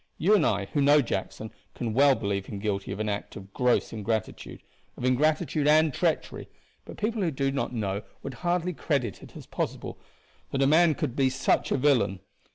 You and I, who know Jackson, can well believe him guilty of an act of gross ingratitude of ingratitude and treachery; but people who do not know would hardly credit it as possible that a man could be such a villain.